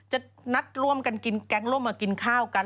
จะนัดร่วมกันกินแก๊งร่วมมากินข้าวกัน